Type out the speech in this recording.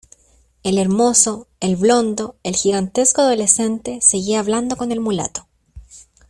el hermoso, el blondo , el gigantesco adolescente , seguía hablando con el mulato ,